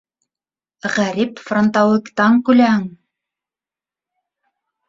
Ғәрип франтауиктан көләң!